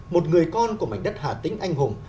một người con của mảnh đất hà tĩnh anh hùng